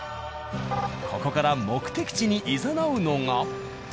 ここから目的地にいざなうのが。